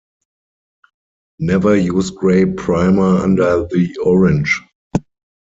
Never use gray primer under the orange!